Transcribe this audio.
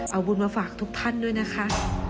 เอาบุญมาฝากทุกท่านด้วยนะคะ